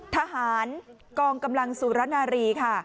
ทหารกองกำลังสุรนารีค่ะ